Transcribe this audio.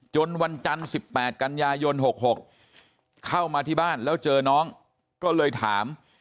วันจันทร์๑๘กันยายน๖๖เข้ามาที่บ้านแล้วเจอน้องก็เลยถาม